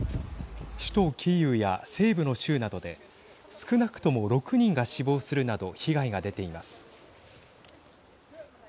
首都キーウや西部の州などで少なくとも６人が死亡するなど被害が出ています。